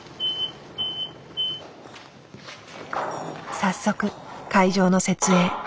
早速会場の設営。